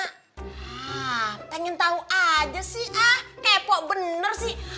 hah pengen tahu aja sih ah kepok bener sih